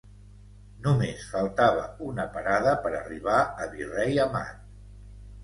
Només faltava una parada per arribar a Virrei Amat.